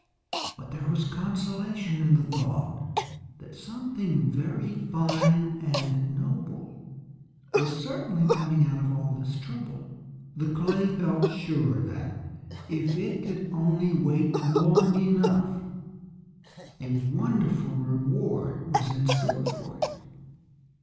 But there was consolation in the thought that something very fine and noble was certainly coming out of all this trouble. The clay felt sure that, if it could only wait long enough, a wonderful reward was in store for it.